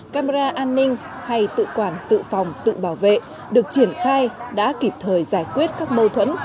camera an ninh hay tự quản tự phòng tự bảo vệ được triển khai đã kịp thời giải quyết các mâu thuẫn